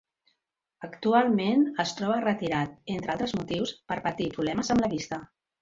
Actualment es troba retirat, entre altres motius, per patir problemes amb la vista.